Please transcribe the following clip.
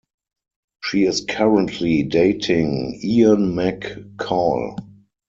She is currently dating Ian McCall.